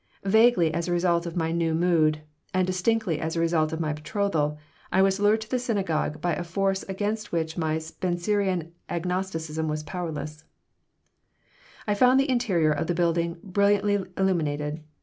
Vaguely as a result of my new mood, and distinctly as a result of my betrothal, I was lured to the synagogue by a force against which my Spencerian agnosticism was powerless I found the interior of the building brilliantly illuminated.